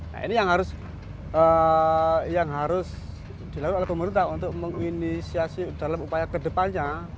nah ini yang harus yang harus dilakukan oleh pemerintah untuk menginisiasi dalam upaya kedepannya